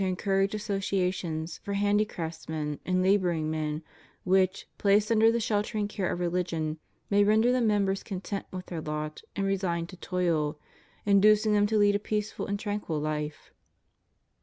encourage associations for handicraftsmen and laboring men, which, placed under the^ sheltering care of religion, may render the membera^ content^with their lot and resigned to toil, inducing them tii_lead a peaceful and tranquil life.